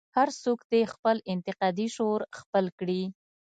هر څوک دې خپل انتقادي شعور خپل کړي.